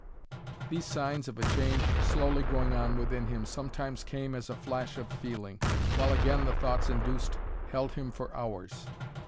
These signs of a change slowly going on within him sometimes came as a flash of feeling, while again the thoughts induced held him for hours.